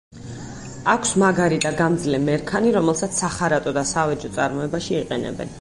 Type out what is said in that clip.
აქვს მაგარი და გამძლე მერქანი, რომელსაც სახარატო და საავეჯო წარმოებაში იყენებენ.